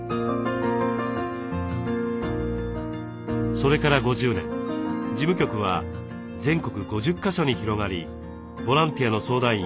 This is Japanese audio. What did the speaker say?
それから５０年事務局は全国５０か所に広がりボランティアの相談員